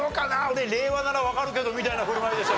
「俺令和ならわかるけど」みたいな振る舞いでしたけど。